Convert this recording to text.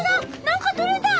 何かとれた！